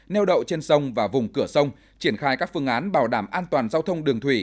neo đậu trên sông và vùng cửa sông triển khai các phương án bảo đảm an toàn giao thông đường thủy